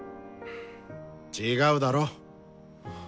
違うだろ？